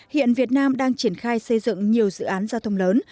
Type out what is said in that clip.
hiện việt nam đang triển khai xây dựng nhiều dự án giao thông lớn